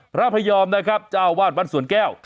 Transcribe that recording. พระพยอมนะครับเจ้าวาดวัดสวนแก้ว